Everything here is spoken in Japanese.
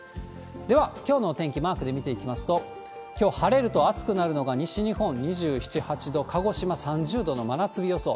では、きょうのお天気、マークで見ていきますと、きょう、晴れると暑くなるのが西日本、２７、８度。鹿児島３０度の真夏日予想。